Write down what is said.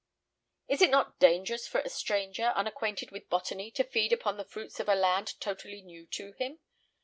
"Is it not dangerous for a stranger, unacquainted with botany, to feed upon the fruits of a land totally new to him?"